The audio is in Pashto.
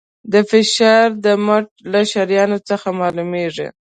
دا فشار د مټ له شریان څخه معلومېږي.